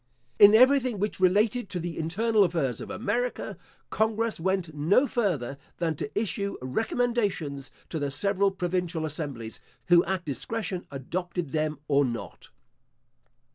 In everything which related to the internal affairs of America, congress went no further than to issue recommendations to the several provincial assemblies, who at discretion adopted them or not.